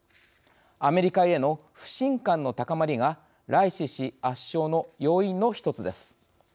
アメリカへの不信感の高まりがライシ師圧勝の要因の一つです。